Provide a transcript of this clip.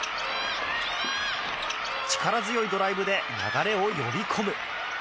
力強いドライブで流れを呼び込む。